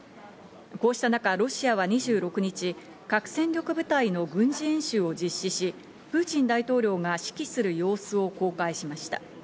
こうした中、ロシアは２６日、核戦力部隊の軍事演習を実施し、プーチン大統領が指揮する様子を公開しました。